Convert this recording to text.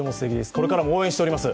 これからも応援しております。